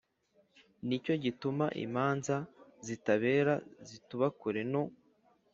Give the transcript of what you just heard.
Ni cyo gituma imanza zitabera zituba kure no